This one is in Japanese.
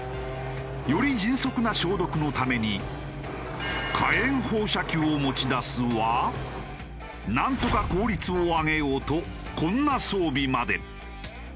より迅速な消毒のために火炎放射器を持ち出すわなんとか効率を上げようとこんな装備まで。